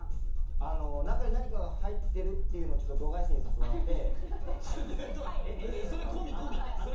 中に何かが入ってるっていうのは、度外視させてもらって。